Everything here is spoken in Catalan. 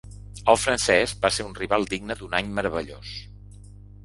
El francès va ser un rival digne d’un any meravellós.